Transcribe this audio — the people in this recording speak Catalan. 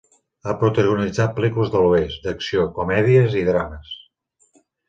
Ha protagonitzat pel·lícules de l'oest, d'acció, comèdies i drames.